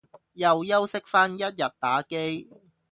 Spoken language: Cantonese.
又休息返一日打機